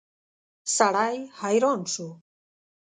سړی حیران شو.